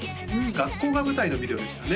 学校が舞台のビデオでしたね